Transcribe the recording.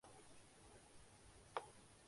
موجودہ زمانے میں امتِ مسلمہ کا ایک بڑا المیہ یہ ہے